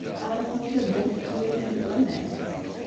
Aɛummu d addal yettwagan deg waman.